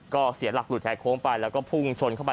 ก็เสียหลักหลุดแหกโค้งไป